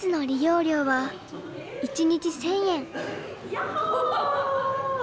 やっほ。